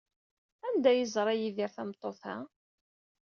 Anda ay yeẓra Yidir tameṭṭut-a?